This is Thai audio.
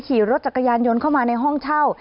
ขี่รถจักรยานยนต์เข้ามาในห้องเช่า